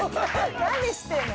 何してんの？